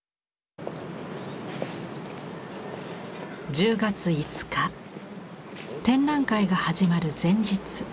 １０月５日展覧会が始まる前日。